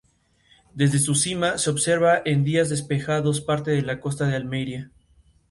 El desierto de Atacama acoge a los deportistas del todoterreno del mundo.